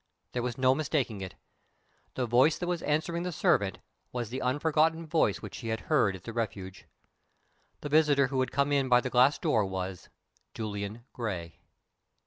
there was no mistaking it. The voice that was answering the servant was the unforgotten voice which she had heard at the Refuge. The visitor who had come in by the glass door was Julian Gray!